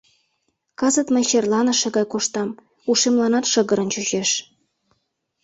— Кызыт мый черланыше гай коштам... ушемланат шыгырын чучеш...